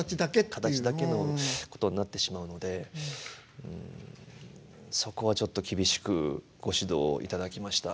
形だけのことになってしまうのでそこはちょっと厳しくご指導いただきました。